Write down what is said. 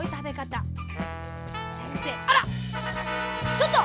ちょっと！